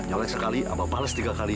nyalek sekali abah bales tiga kali